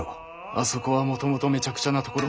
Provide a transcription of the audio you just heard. あそこはもともとめちゃくちゃなところ。